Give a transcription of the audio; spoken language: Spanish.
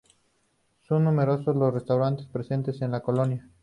Son numerosos los restaurantes presentes en la colina.